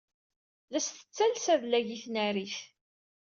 La as-tettales adlag i tnarit.